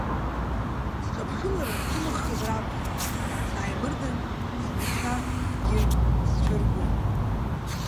Сҿаԥшылара рцәымӷхазар акухап, сааимырдан, сбичақгьы сцәыргоит.